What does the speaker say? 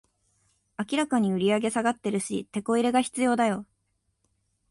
明らかに売上下がってるし、テコ入れが必要だよ